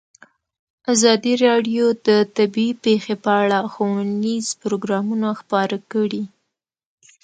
ازادي راډیو د طبیعي پېښې په اړه ښوونیز پروګرامونه خپاره کړي.